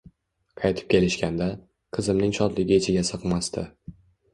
Qaytib kelishganda, qizimning shodligi ichiga sig`masdi